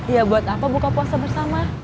ya buat apa buka puasa bersama